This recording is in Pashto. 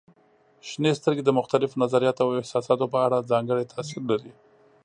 شنې سترګې د مختلفو نظریاتو او احساساتو په اړه ځانګړی تاثير لري.